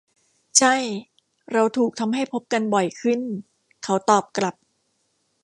ใช่ เราถูกทำให้พบกันบ่อยขึ้น เขาตอบกลับ